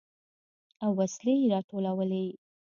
او وسلې يې راټولولې.